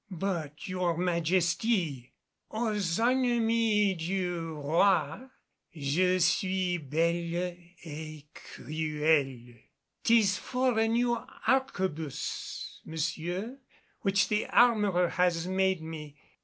"But your Majesty " "Aux ennemies du roy Je suis belle et cruelle." "'Tis for a new arquebus, monsieur, which the armorer has made me.